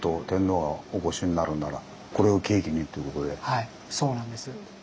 はいそうなんです。